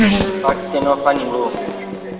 Faxs que no fa ningú.